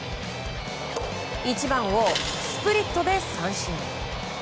１番をスプリットで三振。